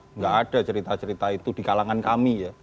tidak ada cerita cerita itu di kalangan kami ya